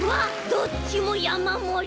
どっちもやまもり。